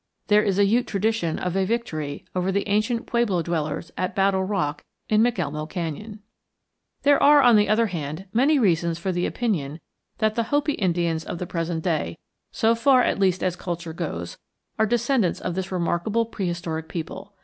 There is a Ute tradition of a victory over the ancient pueblo dwellers at Battle Rock in McElmo Canyon. There are, on the other hand, many reasons for the opinion that the Hopi Indians of the present day, so far at least as culture goes, are descendants of this remarkable prehistoric people.